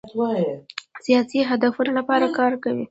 سیاسي اهدافو لپاره کار کوي.